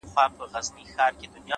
هوښیار انتخاب د وخت درناوی دی’